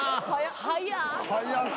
はい。